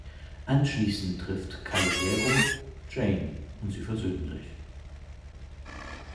Anschließend trifft Calogero Jane und sie versöhnen sich.